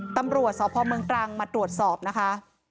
ตำรวจสพเมืองตรังมาตรวจสอบนะคะ